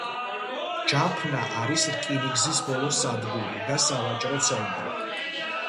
ჯაფნა არის რკინიგზის ბოლო სადგური და სავაჭრო ცენტრი.